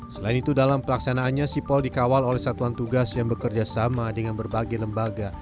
selain itu dalam pelaksanaannya sipol dikawal oleh satuan tugas yang bekerja sama dengan berbagai lembaga